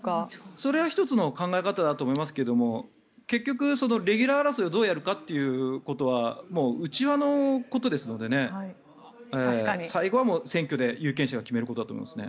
それは１つの考え方だと思いますけど結局、レギュラー争いをどうやるかということは内輪のことですので最後は選挙で有権者が決めることだと思いますね。